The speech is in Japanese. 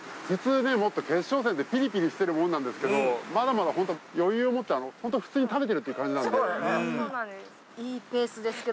普通もっと決勝戦ってピリピリしてるもんなんですけどまだまだホント余裕をもってホント普通に食べてるって感じなんで。